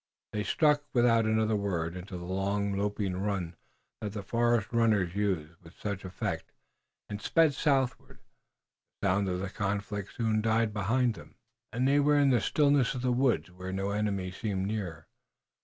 They struck, without another word, into the long, loping run that the forest runners use with such effect, and sped southward. The sounds of the conflict soon died behind them, and they were in the stillness of the woods, where no enemy seemed near.